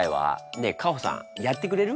ねえカホさんやってくれる？